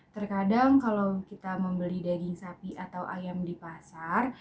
terkadang kalau kita membeli daging sapi atau ayam di pasar